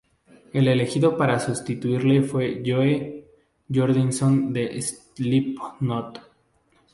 El elegido para sustituirle fue Joey Jordison de Slipknot.